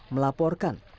melaporkan kebun sawit